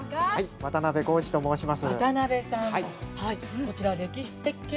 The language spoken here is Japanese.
◆渡辺と申します。